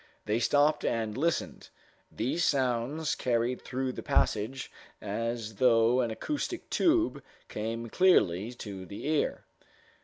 They stopped and listened. These sounds, carried through the passage as through an acoustic tube, came clearly to the ear.